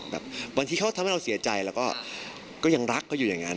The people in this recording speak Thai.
บางทีเขาทำให้เราเสียใจเราก็ยังรักเขาอยู่อย่างนั้น